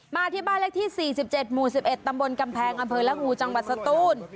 มาที่บ้านเล็กที่สี่สิบเจ็ดหมู่สิบเอ็ดตำบลกำแพงอำเภอละหูจังหวัดสตูน